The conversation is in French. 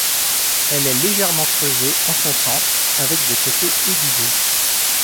Elle est légèrement creusée en son centre, avec des côtés aiguisés.